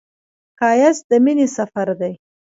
ښایست د مینې سفر دی